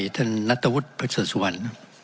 ท่านนัตวุฒิประเสริฐสุวรรณ